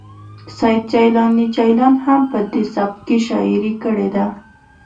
سید جیلاني جلان هم په دې سبک کې شاعري کړې ده